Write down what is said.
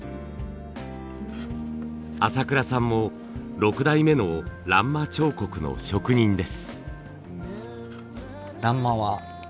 朝倉さんも６代目の欄間彫刻の職人です。